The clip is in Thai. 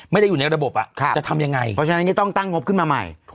ไม่ได้อยู่ในระบบจะทำยังไงเพราะฉะนั้นก็ต้องตั้งงบขึ้นมาใหม่